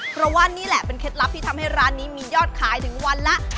เพราะว่านี่แหละเป็นเคล็ดลับที่ทำให้ร้านนี้มียอดขายถึงวันละ